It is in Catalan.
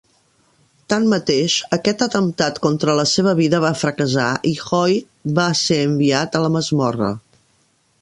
Tanmateix, aquest atemptat contra la seva vida va fracassar i Hoyt va ser enviat a la masmorra.